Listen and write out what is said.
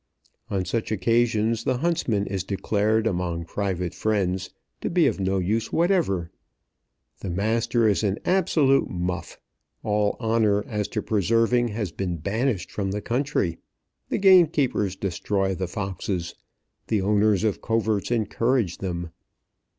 On such occasions the huntsman is declared among private friends to be of no use whatever. The master is an absolute muff. All honour as to preserving has been banished from the country. The gamekeepers destroy the foxes. The owners of coverts encourage them.